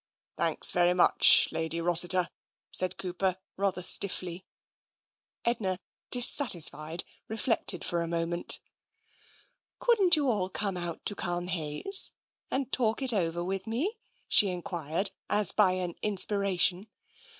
"Thanks very much. Lady Rossiter," said Cooper, rather stiffly. Edna, dissatisfied, reflected for a moment. " Couldn't you all come out to Culmhayes and talk it over with me?" she enquired, as by an inspiration.